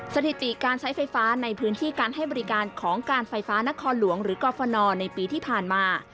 สถิติการใช้ไฟฟ้าในพื้นที่การให้บริการของการไฟฟ้านครหลวงหรือกรฟนในปีที่ผ่านมา